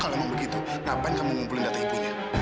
kalau memang begitu ngapain kamu ngumpulin data ibunya